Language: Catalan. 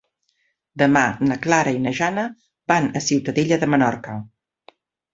Demà na Clara i na Jana van a Ciutadella de Menorca.